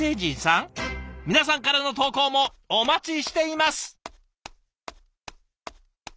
皆さんからの投稿もお待ちしています！